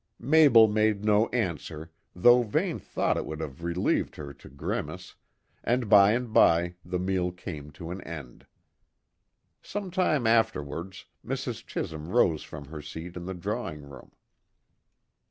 Mabel made no answer, though Vane thought it would have relieved her to grimace, and by and by the meal came to an end. Some time afterwards, Mrs. Chisholm rose from her seat in the drawing room.